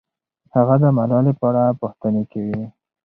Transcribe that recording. هغه د ملالۍ په اړه پوښتنې کوي.